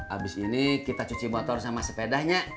abis ini kita cuci motor sama sepedanya